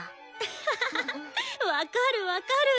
ハハハハ分かる分かる！